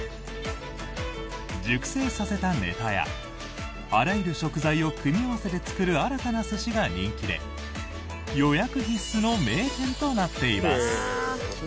熟成させたネタやあらゆる食材を組み合わせて作る新たな寿司が人気で予約必須の名店となっています。